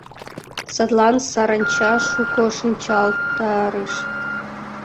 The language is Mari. Садлан саранча шуко шинчалтарыш.